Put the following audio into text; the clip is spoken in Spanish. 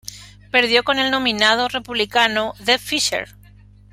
Perdió con el nominado republicano Deb Fischer.